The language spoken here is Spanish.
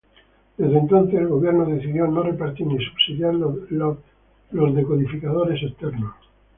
Desde entonces el gobierno decidió no repartir ni subsidiar los decodificadores externos.